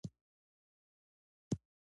که ماشوم ښه تغذیه ولري، ناروغي نه ورسره مل شي.